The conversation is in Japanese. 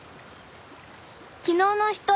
昨日の人？